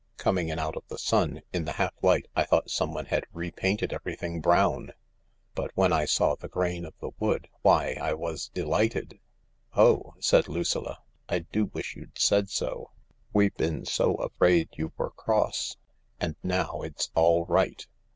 Coming in out of the sun, in the half light, I thought someone had repainted everything brown. But when I saw the grain of the wood — why, I was delighted." " Oh," said Lucilla, " I do wish you'd said so ! We've been so afraid you were cross I And now it's all right."